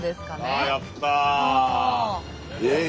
あやった。